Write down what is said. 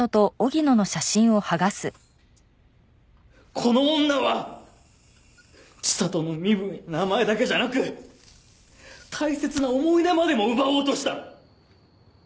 この女は知里の身分や名前だけじゃなく大切な思い出までも奪おうとした！